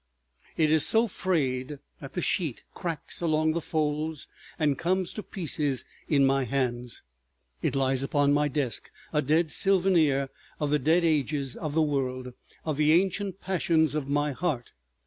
... It is so frayed that the sheet cracks along the folds and comes to pieces in my hands. It lies upon my desk, a dead souvenir of the dead ages of the world, of the ancient passions of my heart.